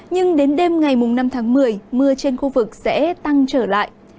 nhưng đến đêm ngày năm tháng một mươi mưa trên khu vực sẽ tăng trở lại